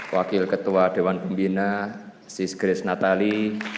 wakil ketua dewan pembina sis grace natali